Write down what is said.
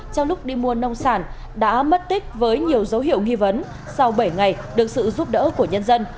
trong lúc đi mua nông sản đã mất tích với nhiều dấu hiệu nghi vấn sau bảy ngày được sự giúp đỡ của nhân dân